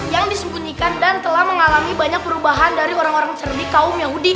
yang disembunyikan dan telah mengalami banyak perubahan dari orang orang cerdik kaum yahudi